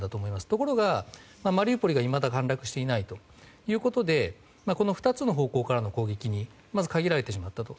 ところが、マリウポリがいまだ陥落していないということで２つの方向からの攻撃にまず、限られてしまったと。